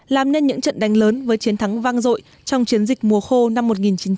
làm nên những trận đánh lớn với chiến thắng vang rội trong chiến dịch mùa khô năm một nghìn chín trăm sáu mươi sáu